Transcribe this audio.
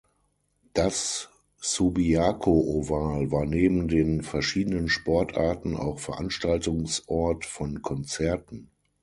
Das Subiaco Oval war neben den verschiedenen Sportarten auch Veranstaltungsort von Konzerten.